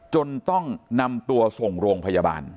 จนต้องนำตัวส่งโรงพยาบาล